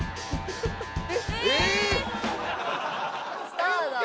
スターだ。